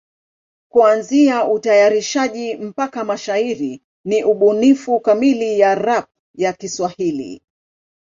Kuanzia utayarishaji mpaka mashairi ni ubunifu kamili ya rap ya Kiswahili.